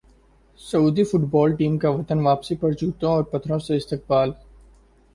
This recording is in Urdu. سعودی فٹبال ٹیم کا وطن واپسی پر جوتوں اور پتھروں سے استقبال